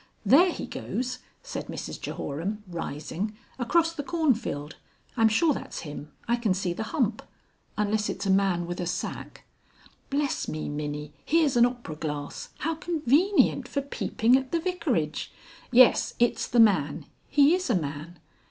"There he goes," said Mrs Jehoram, rising, "across the cornfield. I'm sure that's him. I can see the hump. Unless it's a man with a sack. Bless me, Minnie! here's an opera glass. How convenient for peeping at the Vicarage!... Yes, it's the man. He is a man.